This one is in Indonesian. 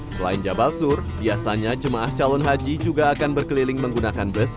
selain jabal sur biasanya jemaah calon haji juga akan berkeliling menggunakan bus